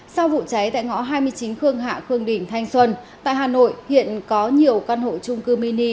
sau vụ cháy tại ngõ hai mươi chín khương hạ khương đình thanh xuân tại hà nội hiện có nhiều căn hộ trung cư mini